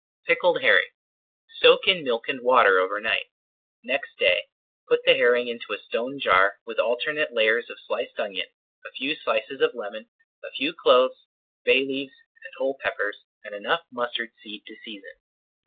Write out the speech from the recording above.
PICKLED HERRING Soak in milk and water over night. Next day put the herring into a stone jar with alternate layers of sliced onion, a few slices of lemon, a few cloves, bay leaves, and whole peppers, and enough mustard seed to season.